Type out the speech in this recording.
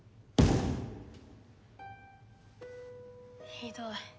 ひどい。